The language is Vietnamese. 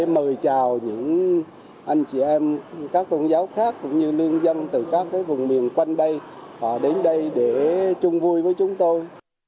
mời chào những anh chị em các tôn giáo khác cũng như lương dân từ các vùng miền quanh đây họ đến đây để chung vui với chúng tôi